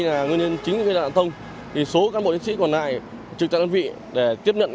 là nguyên nhân chính là an toàn thì số các bộ nhân sĩ còn lại trực tạng đơn vị để tiếp nhận